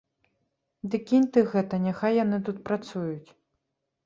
Ды кінь ты гэта, няхай яны тут працуюць.